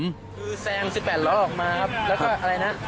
คือแซง๑๘ล้อออกมาครับแล้วก็อะไรนะ